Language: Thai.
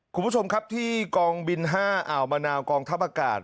คุณผู้ชมครับที่กองบิน๕อ่าวมะนาวกองทัพอากาศ